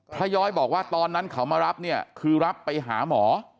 ย้อยบอกว่าตอนนั้นเขามารับเนี่ยคือรับไปหาหมอ